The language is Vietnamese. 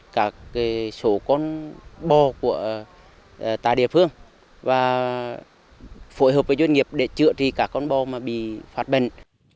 các số con bò của tại địa phương và phối hợp với doanh nghiệp để chữa trị các con bò bị phát bệnh